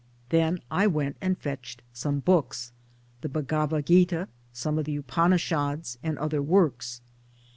Then I went and fetched some books the Bhagavat Gita, some of the Upanishads, and other works.